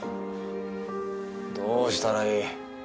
どうしたらいい？